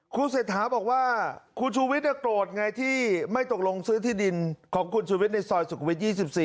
คุณเศรษฐาบอกว่าคุณชูวิทย์โกรธไงที่ไม่ตกลงซื้อที่ดินของคุณชูวิทย์ในซอยสุขุวิต๒๔